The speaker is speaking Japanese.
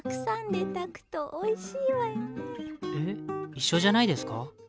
一緒じゃないですか？